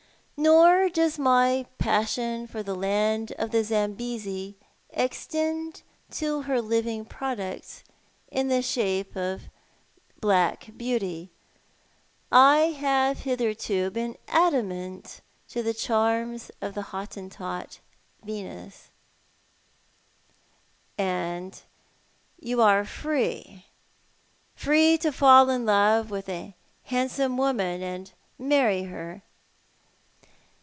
Nor does my passion for the land of the 2^mbesi extend to her living products in the shape of black beauty. I have hitherto been adamant to the charms of the IJottentot Venus." Urquhart considers himself Ill used. 75 "And yoii are free — free to fall in love with a handsome woman and to marry her?